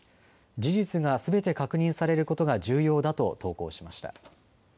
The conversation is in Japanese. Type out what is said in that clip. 事実がすべて確認されることが重要だと投稿しました。